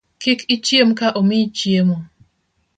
Kik ichiem ka omiyi chiemo